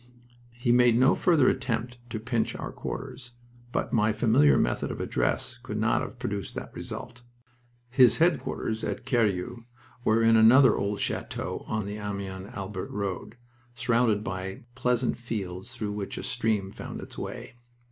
He made no further attempt to "pinch" our quarters, but my familiar method of address could not have produced that result. His headquarters at Querrieux were in another old chateau on the Amiens Albert road, surrounded by pleasant fields through which a stream wound its way.